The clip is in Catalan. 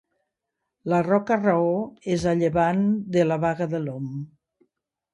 La Roca Raor és a llevant de la Baga de l'Om.